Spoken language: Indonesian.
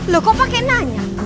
loh kok pakai nanya